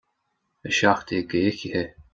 A seacht déag d'fhichithe